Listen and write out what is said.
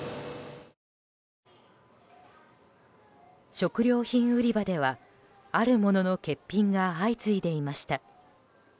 食料品売り場ではあるものの欠品が相次いでいました。